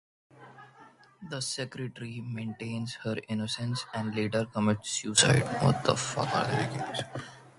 The secretary maintains her innocence and later commits suicide.